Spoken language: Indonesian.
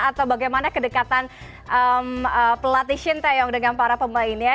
atau bagaimana kedekatan pelatih shin taeyong dengan para pemainnya